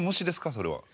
それは。